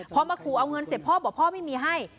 พอมาขู่เอาเงินเสร็จพ่อบอกพ่อไม่มีให้